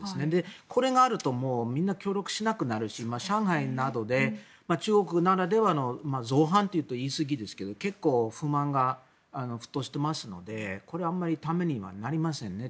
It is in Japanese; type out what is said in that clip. これがあるとみんな協力しなくなるし上海などで中国ならではの造反というと言いすぎですが結構、不満が沸騰していますのでこれ、あまりためにはなりませんね。